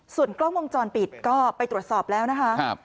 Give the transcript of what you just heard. ส่วนกล้องวงจรปิดก็ไปตรวจสอบแล้วนะคะ